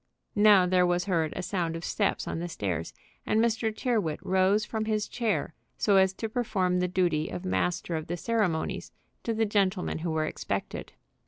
Now there was heard a sound of steps on the stairs, and Mr. Tyrrwhit rose from his chair so as to perform the duty of master of the ceremonies to the gentlemen who were expected.